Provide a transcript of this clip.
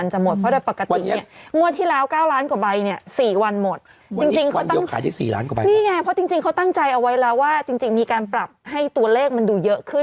นี่ไงเพราะจริงเขาตั้งใจเอาไว้แล้วว่าจริงมีการปรับให้ตัวเลขมันดูเยอะขึ้น